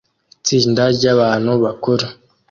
Itsinda ryabantu bakuru